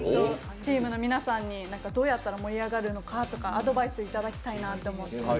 チームの皆さんにどうやったら盛り上がるのかとか、アドバイスいただきたいなと思って。